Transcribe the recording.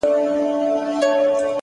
مثبت فکر د ستونزو اغېز کموي!.